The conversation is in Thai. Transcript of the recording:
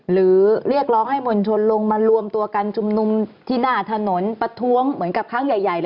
เรียกร้องให้มวลชนลงมารวมตัวกันชุมนุมที่หน้าถนนประท้วงเหมือนกับครั้งใหญ่เลย